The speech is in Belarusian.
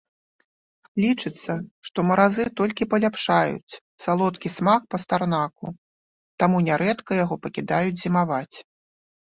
Лічыцца, што маразы толькі паляпшаюць салодкі смак пастарнаку, таму нярэдка яго пакідаюць зімаваць.